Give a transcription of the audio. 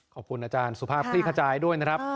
ขอบคุณอาจารย์สุภาพคลี่ขจายด้วยนะครับ